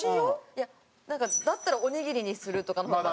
いやなんかだったらおにぎりにするとかの方が。